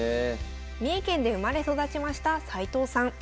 三重県で生まれ育ちました齊藤さん。